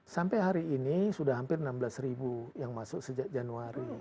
sampai hari ini sudah hampir enam belas ribu yang masuk sejak januari